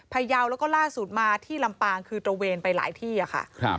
ยาวแล้วก็ล่าสุดมาที่ลำปางคือตระเวนไปหลายที่อะค่ะ